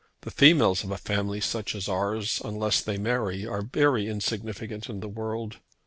The females of a family such as ours, unless they marry, are very insignificant in the world.